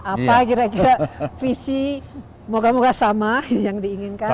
apa kira kira visi moga moga sama yang diinginkan